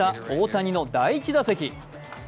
大谷の第２打席。